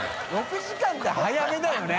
６時間って早めだよね。